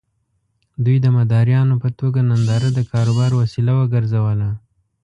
دوی د مداريانو په توګه ننداره د کاروبار وسيله وګرځوله.